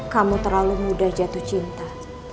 kamu terlalu mudah jatuh cinta